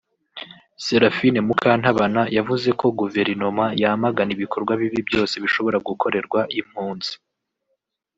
Seraphine Mukantabana yavuze ko guverinoma yamagana ibikorwa bibi byose bishobora gukorerwa impunzi